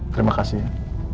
terima kasih ya